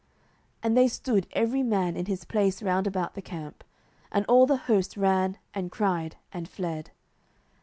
07:007:021 And they stood every man in his place round about the camp; and all the host ran, and cried, and fled.